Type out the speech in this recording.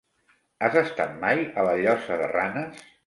Has estat mai a la Llosa de Ranes?